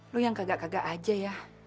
lo yang kagak kagak aja ya